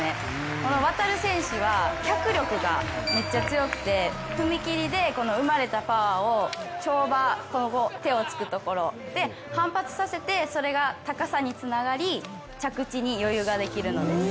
この航選手は脚力がめっちゃ強くて踏み切りで生まれたパワーを跳馬、手をつくところで反発させて、それが高さにつながり着地に余裕ができるんです。